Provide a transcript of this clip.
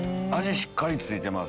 しっかり付いてます